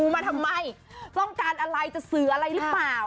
มาทำไมต้องการอะไรตัวซื้ออะไรรึเปล่า